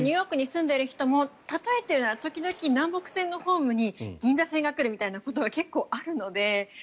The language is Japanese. ニューヨークに住んでいる人も例えるなら時々南北線のホームに銀座線が来るみたいなことが結構あるので。